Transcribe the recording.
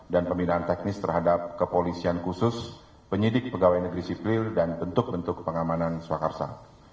dan pembinaan teknis terhadap kepolisian khusus penyidik pegawai negeri sipil dan bentuk bentuk pengamanan swakarsa